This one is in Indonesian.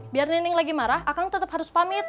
biar neneng lagi marah akang tetep harus pamit